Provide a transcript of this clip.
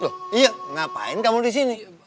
loh iya ngapain kamu disini